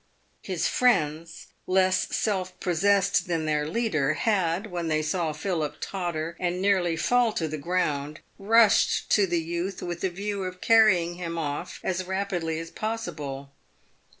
His friends, less self possessed than their leader, had, when they saw Philip totter and nearly fall to the ground, rushed to the youth with the view of carrying him off as rapidly as possible.